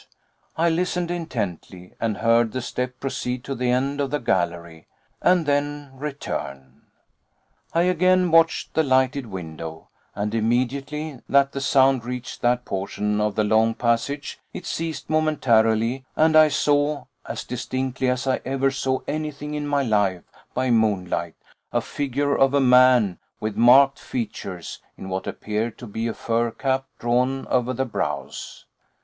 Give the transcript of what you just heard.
I listened intently, and heard the step proceed to the end of the gallery and then return. I again watched the lighted window, and immediately that the sound reached that portion of the long passage it ceased momentarily, and I saw, as distinctly as I ever saw anything in my life, by moonlight, a figure of a man with marked features, in what appeared to be a fur cap drawn over the brows.